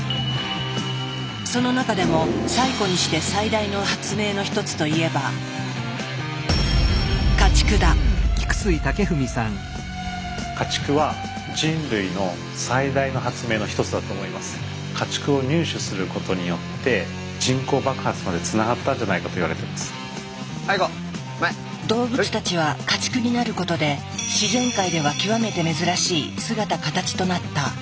その中でも最古にして最大の発明の一つといえば動物たちは家畜になることで自然界では極めてめずらしい姿形となった。